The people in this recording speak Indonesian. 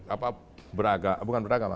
apa beragama bukan beragama